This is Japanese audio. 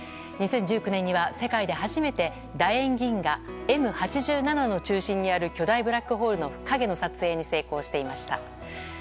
２０１９年には、世界で初めて楕円銀河Ｍ８７の中心にある巨大ブラックホールの影の撮影に成功していました。